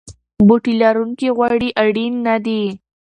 بوټي لرونکي غوړي اړین نه دي.